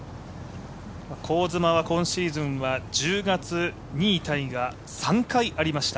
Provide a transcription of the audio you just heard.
香妻は今シーズンは１０月２位タイが３回ありました。